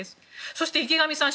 そして、池上さん